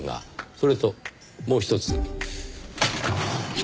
それともうひとつ。